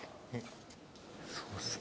そうですね。